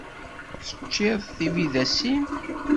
Teččiḍ tibidas-im?